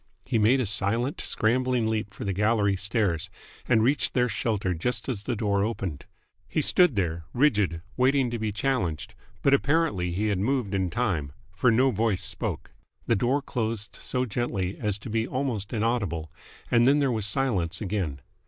He made a silent, scrambling leap for the gallery stairs, and reached their shelter just as the door opened. He stood there, rigid, waiting to be challenged, but apparently he had moved in time, for no voice spoke. The door closed so gently as to be almost inaudible, and then there was silence again.